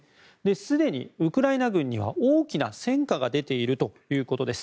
すでにウクライナ軍には大きな戦果が出ているということです。